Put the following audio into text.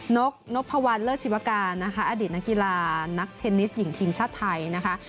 นกนพพวันเลิศชีวการนะคะอดีตนักกีฬานักเทนนิสหญิงทีมชาติไทยนะคะ